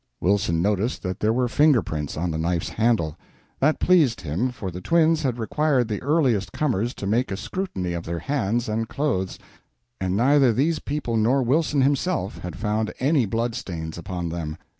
Wilson noticed that there were finger prints on the knife handle. That pleased him, for the twins had required the earliest comers to make a scrutiny of their hands and clothes, and neither these people nor Wilson himself had found any blood stains upon them.